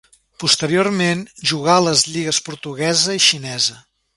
Posteriorment, jugà a les lligues portuguesa i xinesa.